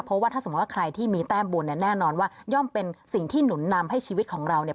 เพราะว่าถ้าสมมุติว่าใครที่มีแต้มบุญเนี่ยแน่นอนว่าย่อมเป็นสิ่งที่หนุนนำให้ชีวิตของเราเนี่ย